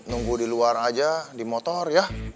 nunggu di luar aja di motor ya